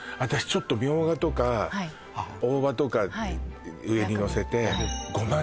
ちょっとみょうがとか大葉とか上にのせてはい薬味ゴマ